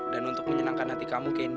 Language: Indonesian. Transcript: dan untuk menyenangkan hati kamu candy